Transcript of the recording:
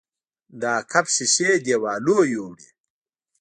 د عقب ښيښې دېوالونو يوړې.